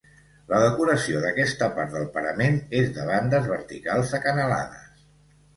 La decoració d'aquesta part del parament és de bandes verticals acanalades.